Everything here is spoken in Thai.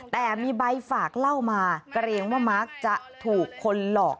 แต่มีใบฝากเล่ามาเกรงว่ามาร์คจะถูกคนหลอก